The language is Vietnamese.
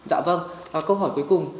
dạ vâng và câu hỏi cuối cùng